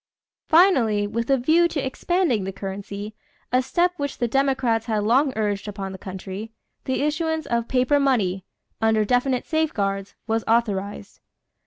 Finally, with a view to expanding the currency, a step which the Democrats had long urged upon the country, the issuance of paper money, under definite safeguards, was authorized.